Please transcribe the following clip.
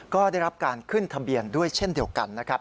ก็ได้รับการขึ้นทะเบียนด้วยเช่นเดียวกันนะครับ